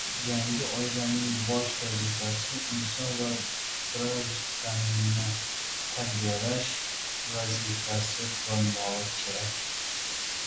Yangi oilaning bosh vazifasi — inson va grajdanni tarbiyalash vazifasi bo‘lmog‘i kerak.